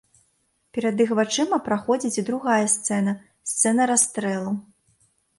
Перад іх вачыма праходзіць і другая сцэна, сцэна расстрэлу.